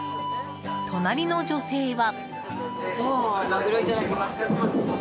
隣の女性は。